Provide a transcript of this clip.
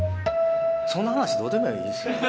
そんな話どうでもいいですよね。